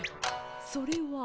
それは？